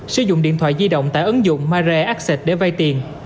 sử dụng điện thoại di động tại ứng dụng mare access để vay tiền